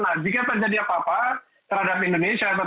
nah jika tak jadi apa apa terhadap indonesia